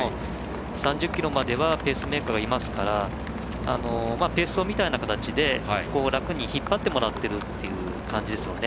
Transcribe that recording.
３０ｋｍまではペースメーカーがいますからペース走みたいな感じで楽に引っ張ってもらってるっていう感じですよね。